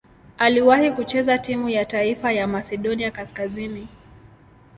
Aliwahi kucheza timu ya taifa ya Masedonia Kaskazini.